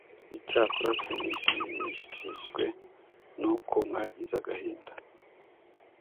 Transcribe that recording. Icyakora sinishimishijwe n’uko mwagize agahinda,